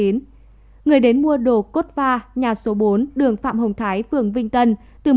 người đến mua đồ cốt pha nhà số bốn đường phạm hồng thái phường vinh tân